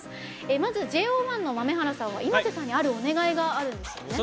まずＪＯ１の豆原さんはｉｍａｓｅさんにあるお願いがあるんですよね。